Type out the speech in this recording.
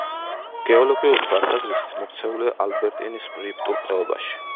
გეოლოგიური თვალსაზრისით მოქცეულია ალბერტინის რიფტულ ხეობაში.